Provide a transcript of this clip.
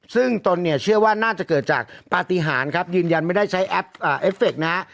ซึ่งตนเนี่ยเชื่อว่าน่าจะเกิดจากปฏิหารครับยืนยันไม่ได้ใช้แอปเอฟเฟคนะฮะ